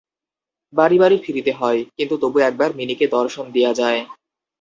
বাড়ি বাড়ি ফিরিতে হয় কিন্তু তবু একবার মিনিকে দর্শন দিয়া যায়।